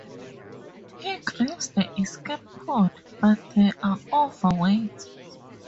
He grabs the escape pod, but they are overweight.